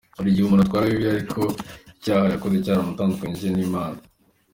Hari igihe umuntu atwara Bibiliya, ariko icyaha yakoze cyaramutandukanyije n’Imana.